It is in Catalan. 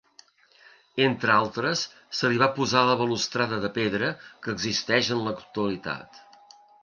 Entre altres se li va posar la balustrada de pedra que existeix en l'actualitat.